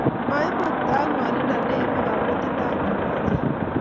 mamuitaaka ng'wonindo neibuu kakotindab kiwanja